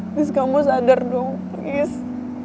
please kamu sadar dong please